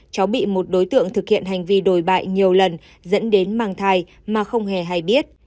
cháu bị một đối tượng thực hiện hành vi đồi bại nhiều lần dẫn đến mang thai mà không hề hay biết